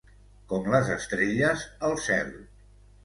Com les estrelles al cel.